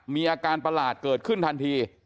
มีอาการประหลาดเกิดขึ้นทันที